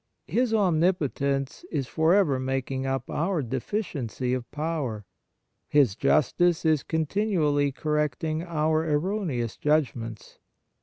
His omnipotence is for ever making up our deficiency of power. His justice is continually correcting our erroneous judgments.